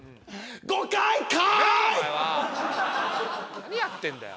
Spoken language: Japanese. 何やってんだよ。